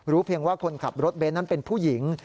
เพียงว่าคนขับรถเบนท์นั้นเป็นผู้หญิง